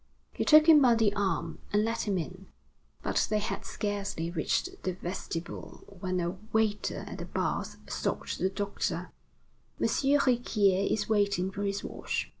He took him by the arm, and led him in. But they had scarcely reached the vestibule when a waiter at the baths stopped the doctor: "M. Riquier is waiting for his wash."